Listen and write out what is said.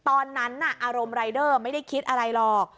ตอนนั้นอารมณ์รายเดอร์ไม่ได้คิดอะไรหรอก